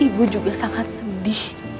ibu juga sangat sedih